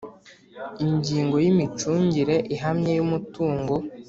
Ingingo ya Imicungire ihamye y umutungo